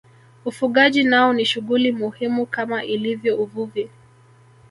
Ufugaji nao ni shughuli muhimu kama ilivyo uvuvi